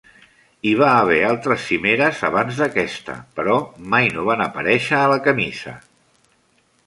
Hi va haver altres cimeres abans d'aquesta, però mai no van aparèixer a la camisa.